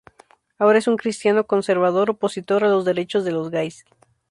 Ahora es un cristiano conservador opositor a los derechos de los gais.